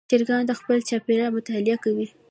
چرګان د خپل چاپېریال مطالعه کوي.